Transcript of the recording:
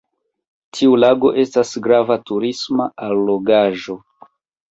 Tiu lago estas grava turisma allogaĵo.